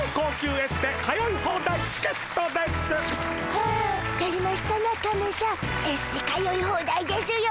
エステ通い放題ですよ